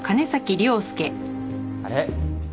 あれ？